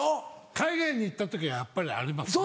海外に行った時はやっぱりありますね。